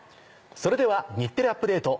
それでは『日テレアップＤａｔｅ！』